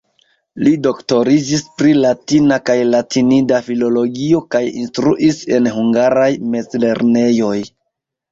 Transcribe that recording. Li doktoriĝis pri latina kaj latinida filologio kaj instruis en hungaraj mezlernejoj.